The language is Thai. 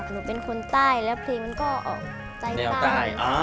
หนูเป็นคนใต้แล้วเพลงมันก็ออกใจใต้